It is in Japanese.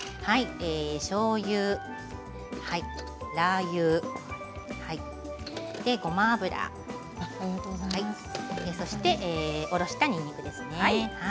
しょうゆ、ラーユ、ごま油そして、おろしたにんにくですね。